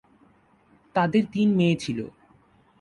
তাদের তিন মেয়ে ছিল।